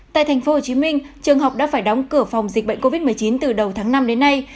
tại tp hcm trường học đã phải đóng cửa phòng dịch bệnh covid một mươi chín từ đầu tháng năm đến nay